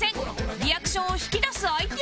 リアクションを引き出す相手は？